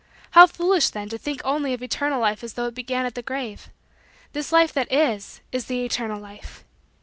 How foolish then to think only of eternal Life as though it began at the grave. This Life that is, is the eternal Life.